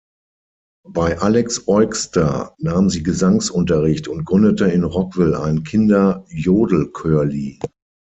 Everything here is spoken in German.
Bei Alex Eugster nahm sie Gesangsunterricht und gründete in Roggwil ein Kinder-Jodelchörli.